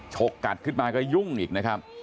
กกัดขึ้นมาก็ยุ่งอีกนะครับ